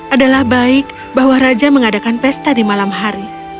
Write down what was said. adalah baik bahwa raja mengadakan pesta di malam hari